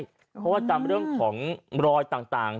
เพราะว่าจำเรื่องของรอยต่าง